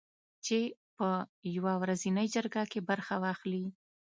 چې په یوه ورځنۍ جرګه کې برخه واخلي